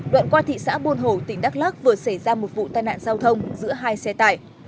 đoạn qua thị xã buôn hồ tỉnh đắk lắc vừa xảy ra một vụ tai nạn giao thông giữa hai xe tải